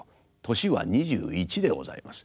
年は２１でございます。